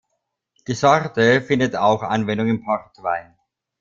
Die Sorte findet auch Anwendung im Portwein.